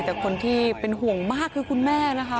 แต่คนที่เป็นห่วงมากคือคุณแม่นะคะ